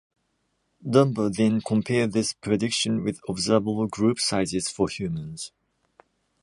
Dunbar then compared this prediction with observable group sizes for humans.